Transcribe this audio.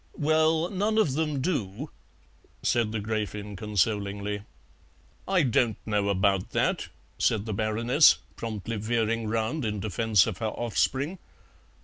"Well, none of them do," said the Gräfin consolingly. "I don't know about that," said the Baroness, promptly veering round in defence of her offspring.